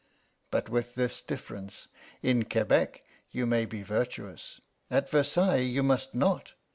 But with this difference: in Quebec you may be virtuous; at Versailles you must not.